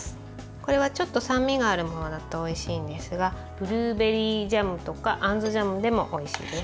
これはちょっと酸味があるものだとおいしいんですがブルーベリージャムとかあんずジャムでもおいしいです。